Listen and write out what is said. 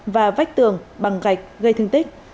và vách tường bằng gạch gây thương tích